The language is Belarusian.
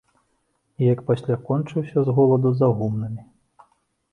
І як пасля кончыўся з холаду за гумнамі.